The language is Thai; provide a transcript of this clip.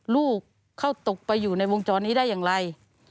ลูกเข้าตกไปอยู่ในวงจรนี้ได้อย่างไร